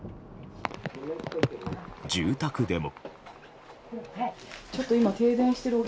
住宅でも。